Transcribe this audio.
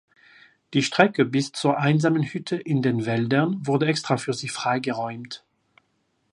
Die Strecke bis zur einsamen Hütte in den Wäldern wurde extra für sie freigeräumt.